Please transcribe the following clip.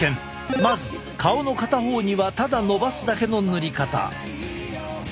まず顔の片方にはただのばすだけの塗り方。